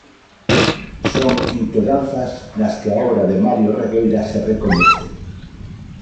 Son inquedanzas nas que a obra de Mario Regueira se recoñece.